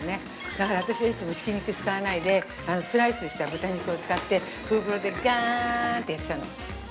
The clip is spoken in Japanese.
だから私はいつもひき肉使わないでスライスした豚肉を使ってフープロでがーーんってやっちゃうの。